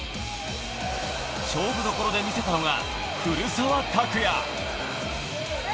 勝負どころで見せたのが古澤拓也。